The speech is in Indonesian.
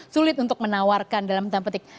sulit untuk menawarkan dalam tanda petik